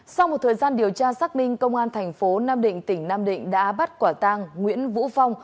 sau một thời gian điều tra xác minh công an thành phố nam định tỉnh nam định đã bắt quả tang nguyễn vũ phong